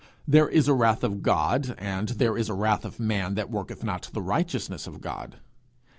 There is a wrath of God, and there is a wrath of man that worketh not the righteousness of God.